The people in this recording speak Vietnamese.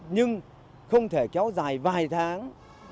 nhưng không thể kéo dài vài tháng